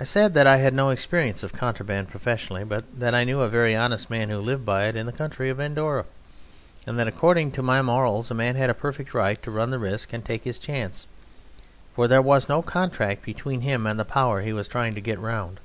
I said that I had no experience of contraband professionally, but that I knew a very honest man who lived by it in the country of Andorra, and that according to my morals a man had a perfect right to run the risk and take his chance, for there was no contract between him and the power he was trying to get round.